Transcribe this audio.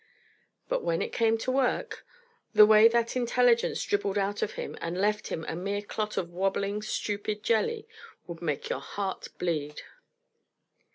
But when it came to work, the way that intelligence dribbled out of him and left him a mere clot of wobbling, stupid jelly would make your heart bleed.